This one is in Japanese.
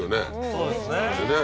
そうですね。